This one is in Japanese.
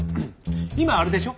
今あれでしょ？